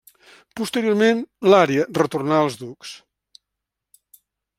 Posteriorment l'àrea retornà als ducs.